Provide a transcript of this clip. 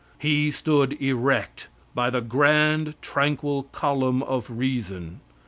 He stood erect by the grand, tranquil column of reason.